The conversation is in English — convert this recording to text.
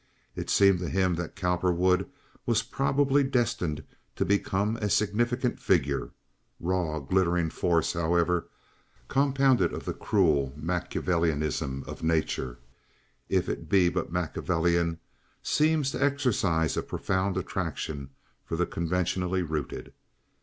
It seemed to him that Cowperwood was probably destined to become a significant figure. Raw, glittering force, however, compounded of the cruel Machiavellianism of nature, if it be but Machiavellian, seems to exercise a profound attraction for the conventionally rooted.